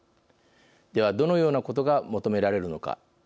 では、どのようなことが求められるのか。